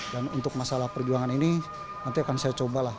dan untuk masalah perjuangan ini nanti akan saya coba lah